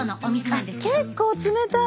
あっ結構冷たい。